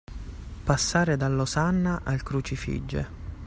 Passare dall'osanna al crucifige.